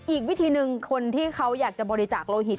อีกวิธีหนึ่งคนที่เขาอยากจะบริจาคโลหิต